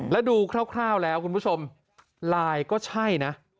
แล้วดูคร่าวแล้วคุณผู้ชมไลน์ก็ใช่นะ